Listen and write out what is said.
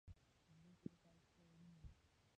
د ځمکې لپاره څه شی اړین دي؟